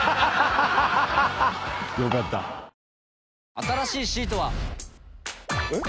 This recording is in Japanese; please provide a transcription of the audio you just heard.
新しいシートは。えっ？